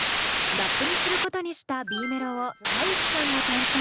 ラップにすることにしたＢメロを体育さんが担当。